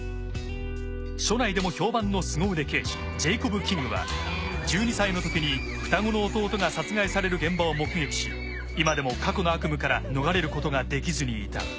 署内でも評判のすご腕刑事ジェイコブ・キングは１２歳のときに双子の弟が殺害される現場を目撃し今でも過去の悪夢から逃れることができずにいた。